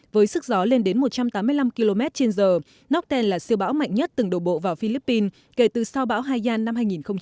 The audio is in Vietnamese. với sức gió lên đến một trăm tám mươi năm km trên giờ nócten là siêu bão mạnh nhất từng đổ bộ vào philippines kể từ sau bão hayan năm hai nghìn một mươi